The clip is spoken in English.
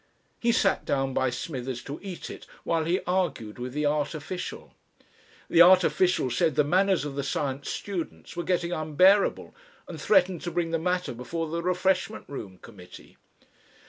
He sat down by Smithers to eat it, while he argued with the Art official. The Art official said the manners of the Science students were getting unbearable, and threatened to bring the matter before the refreshment room committee.